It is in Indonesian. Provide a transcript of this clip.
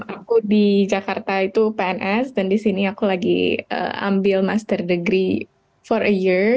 aku di jakarta itu pns dan di sini aku lagi ambil master degree for a year